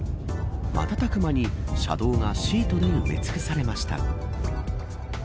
瞬く間に、車道がシートで埋め尽くされました。